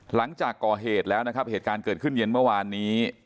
หลังจากก่อเหตุแล้วนะครับเหตุการณ์เกิดขึ้นเย็นเมื่อวานนี้